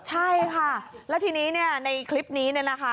ใช่ค่ะแล้วทีนี้เนี่ยในคลิปนี้เนี่ยนะคะ